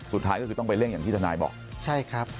สุดท้ายก็คือต้องไปเร่งอย่างที่ทนายบอกใช่ครับ